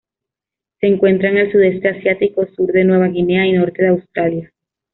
Se encuentra en el Sudeste asiático, sur de Nueva Guinea y norte de Australia.